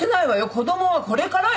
子供はこれからよ。